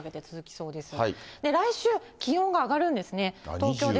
そうですね。